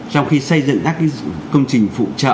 trong khi xây dựng các cái công trình phụ trợ